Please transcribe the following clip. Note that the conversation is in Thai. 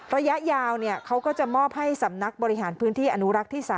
ระยะยาวเขาก็จะมอบให้สำนักบริหารพื้นที่อนุรักษ์ที่๓